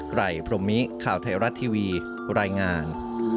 ไรพรมมิข่าวไทยรัฐทีวีรายงาน